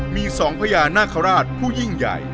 มี๒พญานาคาราชผู้ยิ่งใหญ่